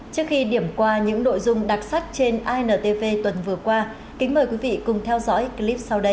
trước khi điểm qua những nội dung đặc sắc trên intv tuần vừa qua kính mời quý vị cùng theo dõi clip sau đây